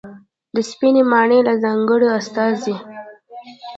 د سپینې ماڼۍ له ځانګړې استازي